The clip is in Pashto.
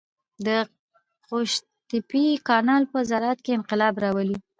د قوشتېپې کانال په زراعت کې انقلاب راولي.